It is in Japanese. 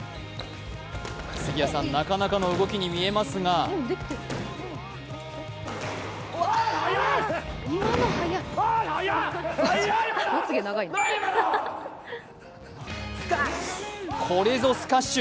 杉谷さん、なかなかの動きに見えますがこれぞスカッシュ。